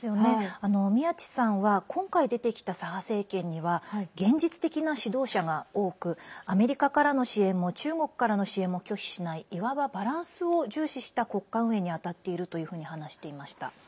宮地さんは今回出てきた左派政権には現実的な指導者が多くアメリカからの支援も中国からの支援も拒否しないいわばバランスを重視した国家運営に当たっているというふうに話していました。